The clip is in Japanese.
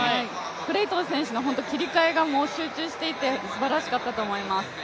クレイトン選手の切り替えが集中していて、すばらしかったと思います。